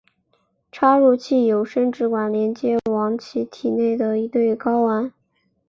插入器有生殖管连接往其体内的一对睾丸。